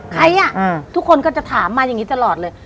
ใครอ่ะทุกคนก็จะถามมาอย่างนี้ตลอดเลย